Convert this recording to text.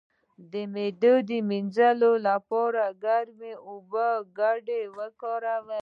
د معدې د مینځلو لپاره د ګرمو اوبو ګډول وکاروئ